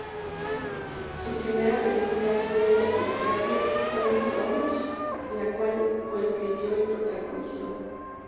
Su primera película fue el largometraje "On the Outs", la cual coescribió y protagonizó.